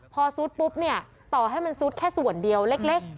พอซุดปุ๊บเนี่ยต่อให้มันซุดแค่ส่วนเดียวเล็ก